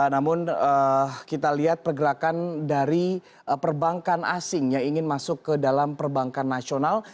namun kita lihat pergerakan dari perbankan asing yang ingin masuk ke dalam perbankan nasional